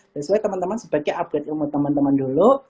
that's why teman teman sebaiknya update ilmu teman teman dulu